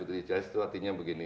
utilized itu artinya begini